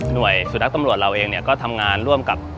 หน่วยสุนัขตำรวจเราเองก็ทำงานร่วมกับ